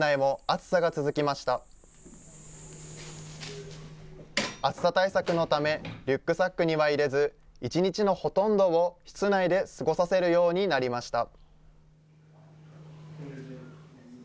暑さ対策のため、リュックサックに入れず、一日のほとんどを室内で過ごさせるようになりました。